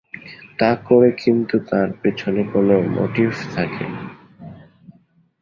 তা করে, কিন্তু তার পেছনে কোনো মোটিভ থাকে।